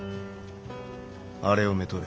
あれをめとれ。